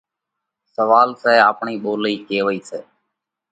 سوئال سئہ آپڻئِي ٻولئِي ڪيوئِي سئہ؟